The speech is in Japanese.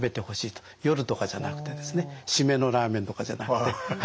夜とかじゃなくてですね締めのラーメンとかじゃなくて。